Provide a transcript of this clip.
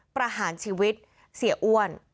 ประหารชีวิตเสียอ้วน